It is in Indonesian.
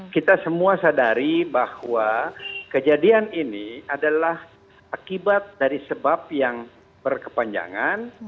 kita semua sadari bahwa kejadian ini adalah akibat dari sebab yang berkepanjangan